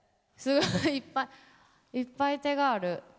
すごいいっぱいいっぱい手がある。